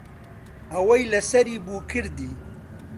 ئەوەی لەسەری بوو کردی.